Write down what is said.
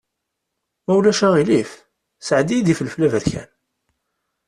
Ma ulac aɣilif sɛeddi-yi-d ifelfel aberkan.